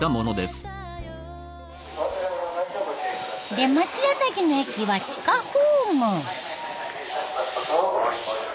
出町柳の駅は地下ホーム。